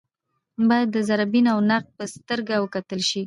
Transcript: باید د ذره بین او نقد په سترګه وکتل شي